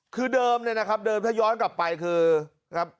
คือเดิมเนี่ยนะครับเดิมถ้าย้อนกลับไปคือครับ